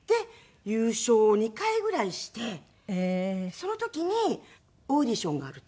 その時にオーディションがあると。